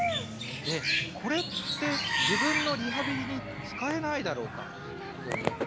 これって自分のリハビリに使えないだろうかと思って。